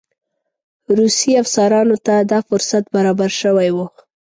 روسي افسرانو ته دا فرصت برابر شوی وو.